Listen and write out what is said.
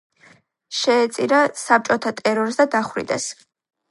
შეეწირა საბჭოთა ტერორს და დახვრიტეს.